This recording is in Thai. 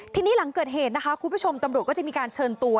ทีนี้หลังเกิดเหตุนะคะคุณผู้ชมตำรวจก็จะมีการเชิญตัว